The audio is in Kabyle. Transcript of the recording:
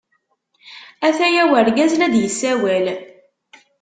Ataya urgaz la d-yessawal.